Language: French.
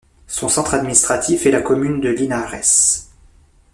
Son centre administratif est la commune de Linares.